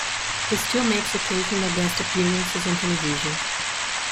He still makes occasional guest appearances on television.